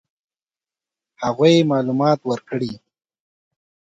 هغوی معلومات ورکړي.